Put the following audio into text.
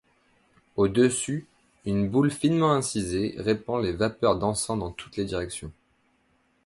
Au-dessus, une boule finement incisée répand les vapeurs d'encens dans toutes les directions.